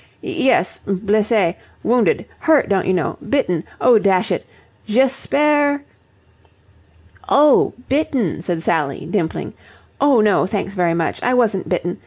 "Yes, blessée. Wounded. Hurt, don't you know. Bitten. Oh, dash it. J'espère..." "Oh, bitten!" said Sally, dimpling. "Oh, no, thanks very much. I wasn't bitten.